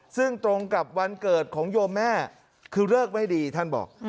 ซึ่งตรงกับวันเกิดของโยมแม่คือเลิกไม่ดีท่านบอก